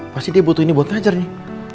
pasti dia butuh ini buat ngajarnya